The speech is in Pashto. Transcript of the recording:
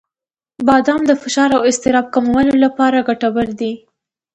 • بادام د فشار او اضطراب کمولو لپاره ګټور دي.